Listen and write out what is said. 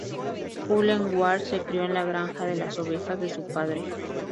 Cullen-Ward se crio en la granja de las ovejas de su padre.